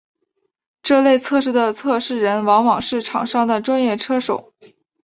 这类测试的测试人往往是厂商的专业车手。